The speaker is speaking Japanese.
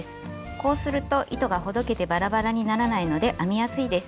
こうすると糸がほどけてバラバラにならないので編みやすいです。